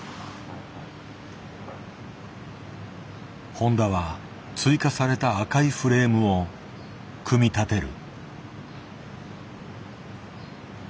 誉田は追加された赤いフレームを組み立てる。